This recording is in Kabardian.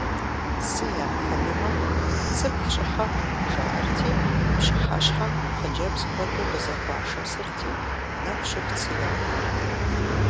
Цы япхынумэ, «цыпх щӀыхьэху» жаӀэрти, пщыхьэщхьэм хъыджэбз куэду къызэхуашэсырти, нэху щыху цы япхырт.